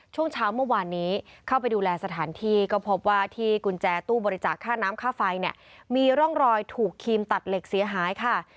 ช่วงเช้าเมื่อวานนี้เข้าไปดูแลสถานที่ก็พบว่าที่กุญแจตู้บริจาคค่าน้ำค่าไฟเนี่ยมีร่องรอยถูกครีมตัดเหล็กเสียหายค่ะ